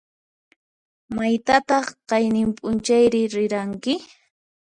Maytataq qayninp'unchayri riranki?